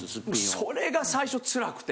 それが最初つらくて。